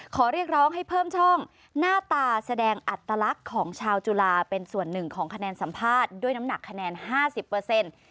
ขอเรียกร้องให้เพิ่มช่องหน้าตาแสดงอัตลักษณ์ของชาวจุฬาเป็นส่วนหนึ่งของคะแนนสัมภาษณ์ด้วยน้ำหนักคะแนนห้าสิบเปอร์เซ็นต์